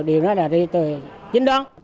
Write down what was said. điều đó là đi từ chính đơn